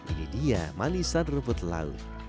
ini dia manisan rumput laut